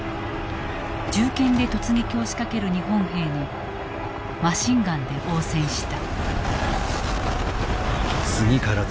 銃剣で突撃を仕掛ける日本兵にマシンガンで応戦した。